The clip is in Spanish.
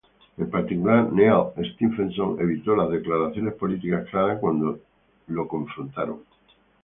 En particular, Neal Stephenson evita las declaraciones políticas claras cuando es confrontado.